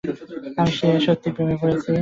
আমি সত্যিই প্রেমে পড়েছি।